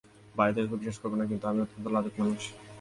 বাইরে থেকে কেউ বিশ্বাস করবে না, কিন্তু আমি অত্যন্ত লাজুক মানুষ।